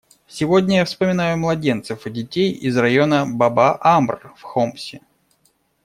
Сегодня я вспоминаю младенцев и детей из района Баба-Амр в Хомсе.